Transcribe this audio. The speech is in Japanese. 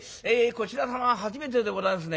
こちら様は初めてでございますね？